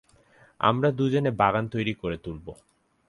আমরা দুজনে বাগান তৈরি করে তুলব।